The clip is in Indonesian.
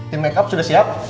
tim makeup sudah siap